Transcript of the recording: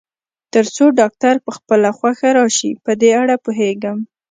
تر څو ډاکټر په خپله خوښه راشي، په دې اړه پوهېږم.